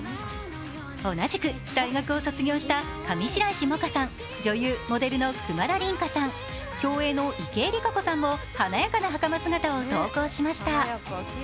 同じく大学を卒業した上白石萌歌さん女優・モデルの久間田琳加さん競泳の池江璃花子さんも華やかなはかま姿を投稿しました。